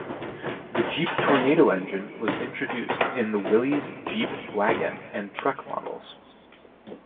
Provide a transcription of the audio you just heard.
The Jeep Tornado engine was introduced in the Willys Jeep Wagon and truck models.